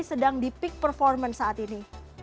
sedang di peak performance saat ini